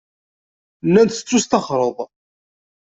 Nnan-d tettusṭaxreḍ.